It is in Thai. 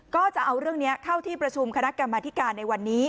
ก็จะเอาเรื่องนี้เข้าที่ประชุมคณะกรรมธิการในวันนี้